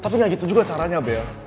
tapi gak gitu juga caranya bel